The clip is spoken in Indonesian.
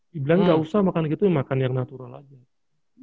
dibilang gak usah makan gitu makan yang natural aja